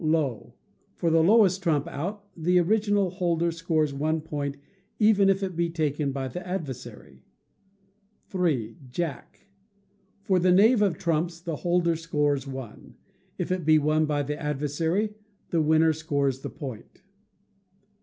Low. For the lowest trump out, the original holder scores one point, even if it be taken by the adversary. iii. Jack. For the knave of trumps the holder scores one. If it be won by the adversary, the winner scores the point.